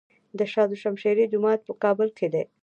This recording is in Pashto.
د شاه دوشمشیره جومات په کابل کې دی